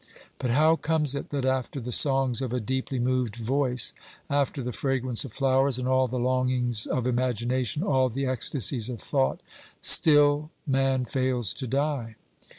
But how comes it that after the songs of a deeply moved voice, after the fragrance of flowers and all the longings of imagination, all the ecstasies of thought, still man fails to die